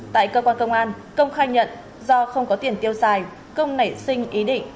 tại cơ quan công an công khai nhận do không có tiền tiêu xài công nảy sinh ý định